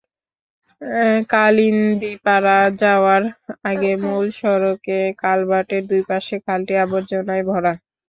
কালিন্দিপাড়া যাওয়ার আগে মূল সড়কে কালভার্টের দুই পাশে খালটি আবর্জনায় ভরা।